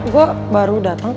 gue baru dateng